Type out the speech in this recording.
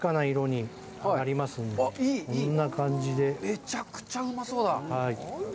めちゃくちゃうまそうだ。